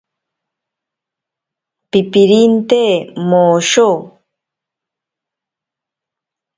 Pipirinte mosho.